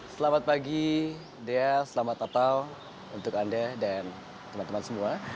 selamat pagi dea selamat natal untuk anda dan teman teman semua